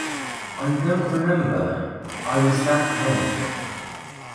I don’t remember. I was that drunk.